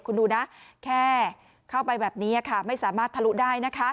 คุณดูนะแค่เข้าไปแบบนี้ค่ะไม่สามารถทะลุได้นะคะ